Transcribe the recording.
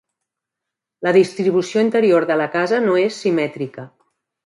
La distribució interior de la casa no és simètrica.